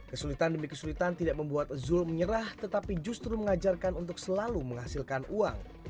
kesulitan demi kesulitan tidak membuat zul menyerah tetapi justru mengajarkan untuk selalu menghasilkan uang